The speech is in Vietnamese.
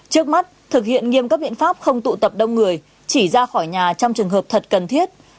trước mắt thực hiện nghiêm các biện pháp không tụ tập đông người chỉ ra khỏi nhà trong trường hợp thật cần thiết